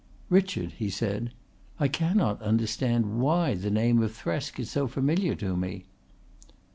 "Richard," he said, "I cannot understand why the name of Thresk is so familiar to me."